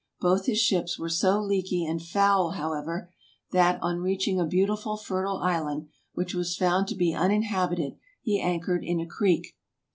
Both his ships were so leaky and foul, however, that, on reaching a beautiful fertile island, which was found to be uninhabited, he anchored in a creek.